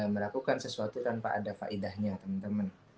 melakukan sesuatu tanpa ada faidahnya teman teman